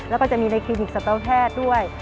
แล้วก็จะมีในคลินิกสัตวแพทย์ด้วย